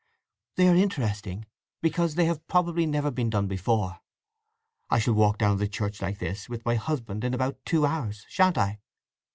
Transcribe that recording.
"They are interesting, because they have probably never been done before. I shall walk down the church like this with my husband in about two hours, shan't I!"